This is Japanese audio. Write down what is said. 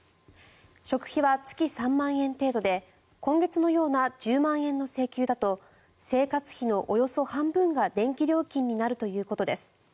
食費は月３万円程度で今月のような１０万円の請求だと生活費のおよそ半分が電気料金になるということです。